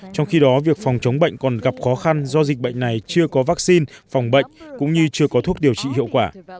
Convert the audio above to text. trong khi đó việc phòng chống bệnh còn gặp khó khăn do dịch bệnh này chưa có vaccine phòng bệnh cũng như chưa có thuốc điều trị hiệu quả